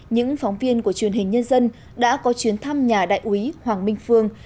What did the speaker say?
những phóng viên của truyền hình nhân dân đã có chuyến thăm nhà đại úy hoàng minh phương